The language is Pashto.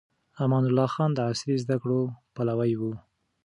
امان الله خان د عصري زده کړو پلوي و.